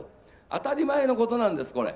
当たり前のことなんです、これ。